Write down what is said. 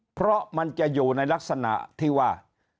เพราะมันจะอยู่ในลักษณะที่ว่า